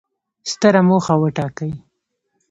ستره موخه وټاکئ!